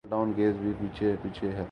Model Town case بھی پیچھے پیچھے ہے۔